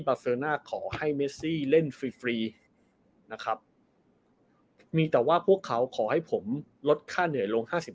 เซอร์น่าขอให้เมซี่เล่นฟรีฟรีนะครับมีแต่ว่าพวกเขาขอให้ผมลดค่าเหนื่อยลง๕๐